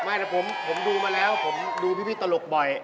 ไม่แต่ผมดูมาแล้วผมดูพี่ตลกบ่อย